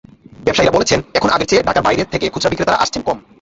ব্যবসায়ীরা বলছেন, এখন আগের চেয়ে ঢাকার বাইরে থেকে খুচরা বিক্রেতারা আসছেন কম।